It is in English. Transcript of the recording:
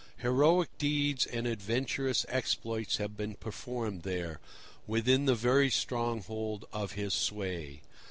Heroic deeds and adventurous exploits have been performed there, within the very stronghold of his sway.